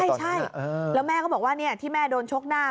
ใช่แล้วแม่ก็บอกว่าที่แม่โดนชกหน้า